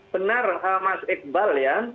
benar mas iqbal ya